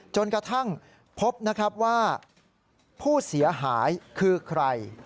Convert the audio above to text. จนกระทั่งพบนะครับว่าผู้เสียหายคือใคร